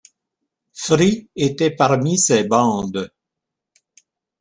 Free étaient parmi ces bandes.